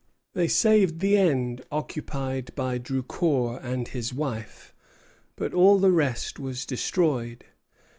They saved the end occupied by Drucour and his wife, but all the rest was destroyed.